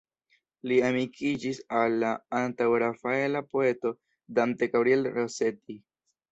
Li amikiĝis al la antaŭ-rafaela poeto Dante Gabriel Rossetti.